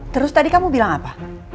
terus tadi kamu bilang apa